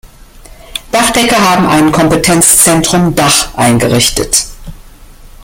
Dachdecker haben ein "Kompetenzzentrum Dach" eingerichtet.